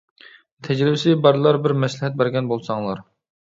تەجرىبىسى بارلار بىر مەسلىھەت بەرگەن بولساڭلار.